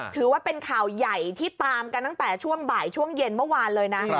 ถือว่าเป็นข่าวใหญ่ที่ตามกันตั้งแต่ช่วงบ่ายช่วงเย็นเมื่อวานเลยนะ